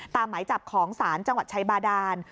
หมายจับของศาลจังหวัดชัยบาดาน